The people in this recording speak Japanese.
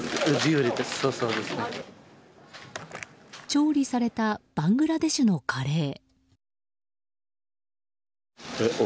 調理されたバングラデシュのカレー。